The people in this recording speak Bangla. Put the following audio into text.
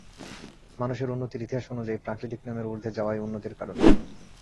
মানুষের উন্নতির ইতিহাস অনুযায়ী প্রাকৃতিক নিয়মের ঊর্ধ্বে যাওয়াই উন্নতির কারণ।